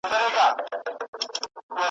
ګیله من له خپل څښتنه له انسان سو .